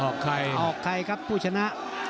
ใครออกใครครับผู้ชนะ